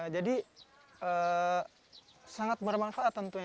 jadi sangat bermanfaat tentunya